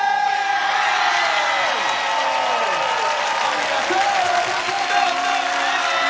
ありがとう！！